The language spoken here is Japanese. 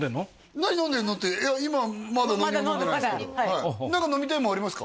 何飲んでんの？って今まだ何も飲んでないですけど何か飲みたいものありますか？